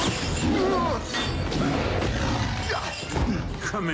うわっ！